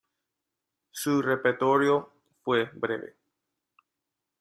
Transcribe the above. Su repertorio fue breve.